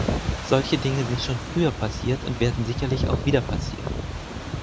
Solche Dinge sind schon früher passiert und werden sicherlich auch wieder passieren.